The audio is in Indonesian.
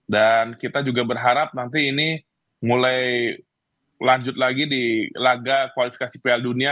dan kita juga berharap nanti ini mulai lanjut lagi di laga kualifikasi pihak dunia